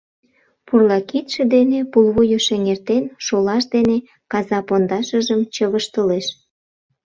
Пурла кидше дене пулвуйыш эҥертен, шолаж дене каза пондашыжым чывыштылеш.